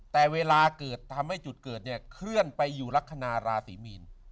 แต่เวลาเกิดทำให้จุดเกิดเนี่ยเคลื่อนไปอยู่ลักษณะราศีมีน